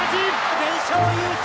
全勝優勝！